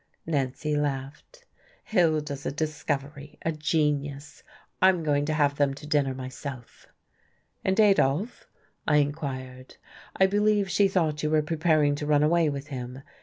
Nancy laughed. "Hilda's a discovery a genius. I'm going to have them to dinner myself." "And Adolf?" I inquired. "I believe she thought you were preparing to run away with him.